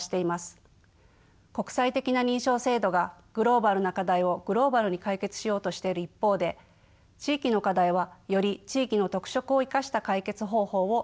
国際的な認証制度がグローバルな課題をグローバルに解決しようとしている一方で地域の課題はより地域の特色を生かした解決方法を模索することが可能です。